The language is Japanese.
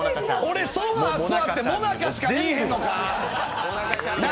俺、ソファ座ってもなかしか見えへんのか！？